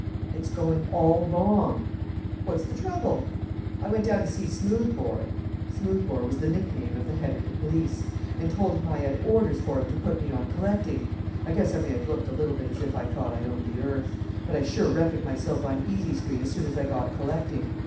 "It's going all wrong." "What's the trouble?" "I went down to see Smoothbore" (Smoothbore was the nickname of the head of the police), "and told him I had orders for him to put me on collecting. I guess I may have looked a little bit as if I thought I owned the earth; but I sure reckoned myself on easy street as soon as I got collecting!